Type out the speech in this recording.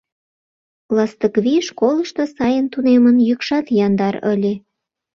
Ластыквий школышто сайын тунемын, йӱкшат яндар ыле.